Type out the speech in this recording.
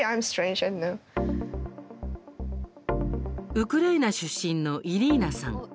ウクライナ出身のイリーナさん。